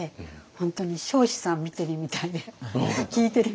本当に彰子さん見てるみたいで聞いてるみたいで。